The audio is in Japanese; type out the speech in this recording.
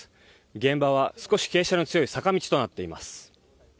現場は少し傾斜の強い坂道となっています。